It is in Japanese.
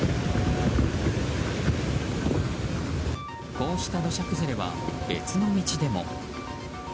こうした土砂崩れは別の道でも。